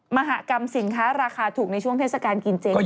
มหากรรมสินค้าราคาถูกในช่วงเทศกาลกินเจ